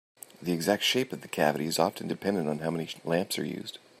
The exact shape of the cavity is often dependent on how many lamps are used.